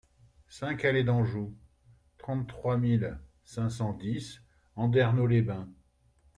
cinq allée d'Anjou, trente-trois mille cinq cent dix Andernos-les-Bains